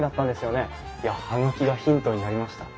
いや葉書がヒントになりました。